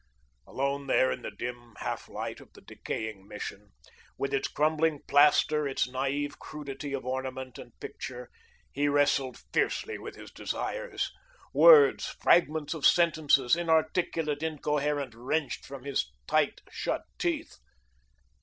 Alone there in the dim half light of the decaying Mission, with its crumbling plaster, its naive crudity of ornament and picture, he wrestled fiercely with his desires words, fragments of sentences, inarticulate, incoherent, wrenched from his tight shut teeth.